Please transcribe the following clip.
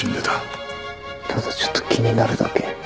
ただちょっと気になるだけ。